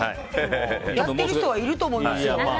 やってる人、いると思いますよ。